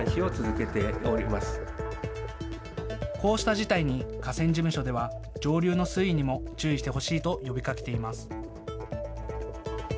こうした事態に河川事務所では上流の水位にも注意してほしいと呼びかけています。